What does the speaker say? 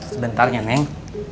sebentar ya neng